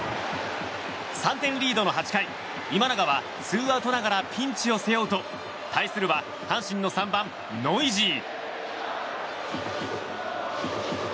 ３点リードの８回今永は、ツーアウトながらピンチを背負うと対するは阪神の３番、ノイジー。